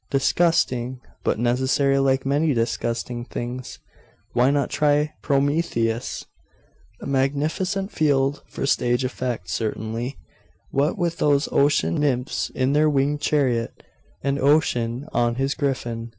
'Disgusting!' 'But necessary, like many disgusting things.' 'Why not try the Prometheus?' 'A magnificent field for stage effect, certainly. What with those ocean nymphs in their winged chariot, and Ocean on his griffin....